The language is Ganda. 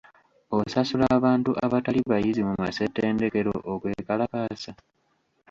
Osasula abantu abatali bayizi mu massetendekero okwekalakaasa?